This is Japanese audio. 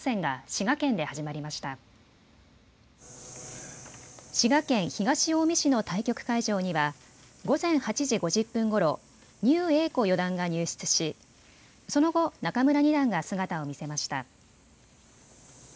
滋賀県東近江市の対局会場には午前８時５０分ごろ牛栄子四段が入室しその後、仲邑二段が姿を見せました。